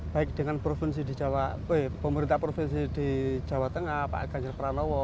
baik dengan provinsi di jawa pemerintah provinsi di jawa tengah pak ganjar pranowo